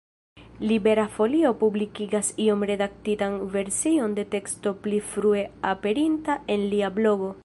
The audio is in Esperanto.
Libera Folio publikigas iom redaktitan version de teksto pli frue aperinta en lia blogo.